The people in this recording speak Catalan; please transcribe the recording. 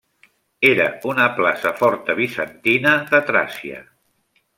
Era una plaça forta bizantina de Tràcia.